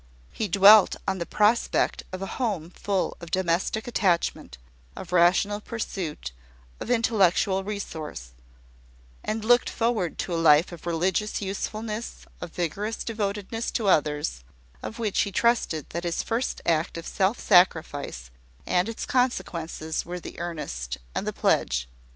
He dwelt on the prospect of a home full of domestic attachment, of rational pursuit, of intellectual resource; and looked forward to a life of religious usefulness, of vigorous devotedness to others, of which he trusted that his first act of self sacrifice and its consequences were the earnest and the pledge.